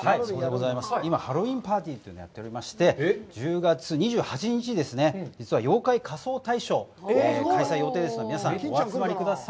今、ハロウィンパーティーをやっておりまして、１０月２８日ですね、実は妖怪仮装大賞を開催予定ですので、皆さん、お集まりください。